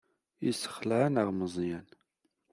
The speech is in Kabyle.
Yessexleɛ-aneɣ Meẓyan.